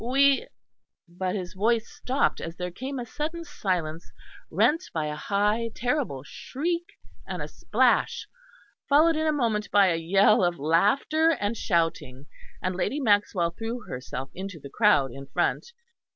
We " But his voice stopped, as there came a sudden silence, rent by a high terrible shriek and a splash; followed in a moment by a yell of laughter and shouting; and Lady Maxwell threw herself into the crowd in front.